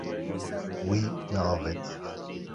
Wî neavêt.